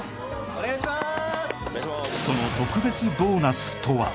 お願いしまーす